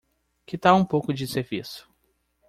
Que tal um pouco de serviço?